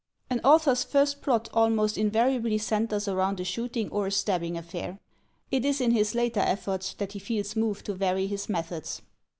An author's first plot almost invariably centers around a shooting or a stabbing affair. It is in his later efforts that he feels moved to vary his methods.